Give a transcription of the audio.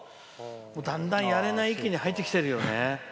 だんだんやれない域に入ってきてるよね。